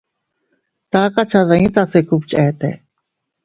Taka cha dii tase kubchete.